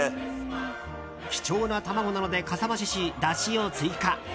貴重な卵なのでかさ増しし、だしを追加。